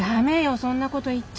そんなこと言っちゃ。